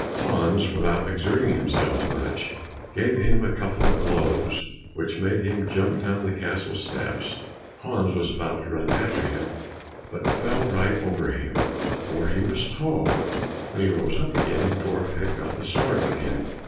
Hans, without exerting himself much, gave him a couple of blows which made him jump down the castle steps. Hans was about to run after him, but fell right over him, for he was so tall. When he rose up again, the dwarf had got the start of him.